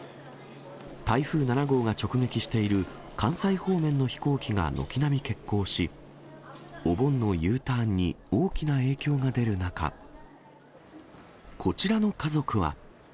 台風７号が直撃している関西方面の飛行機が軒並み欠航し、お盆のＵターンに大きな影響が出る中、こちらの家族は。